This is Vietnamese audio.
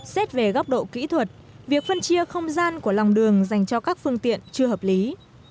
xét về góc độ kỹ thuật việc phân chia không gian của lòng đường dành cho các phương tiện chưa hợp lý